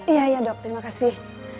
iya dokter makasih